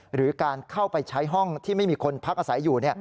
หรือการเข้าไปใช้ห้องที่ไม่มีคนพักอาศัยอยู่